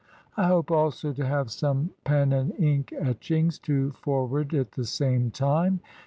I hope also to have some pen and ink etchings to forward at the same time.